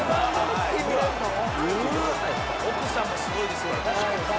「奥さんもすごいですよ」